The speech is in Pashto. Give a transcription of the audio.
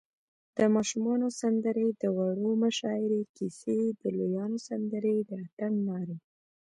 د ماشومانو سندرې، د وړو مشاعرې، کیسی، د لویانو سندرې، د اتڼ نارې